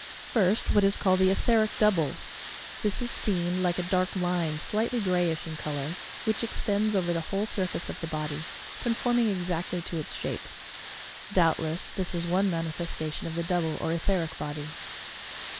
First, what is called the "etheric double." This is seen like a dark line, slightly greyish in colour, which extends over the whole surface of the body, conforming exactly to its shape. Doubtless this is one manifesta tion of the double or etheric body.